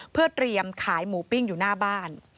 เพื่อเตรียมขายหมูปิ้งอยู่หน้าบ้าน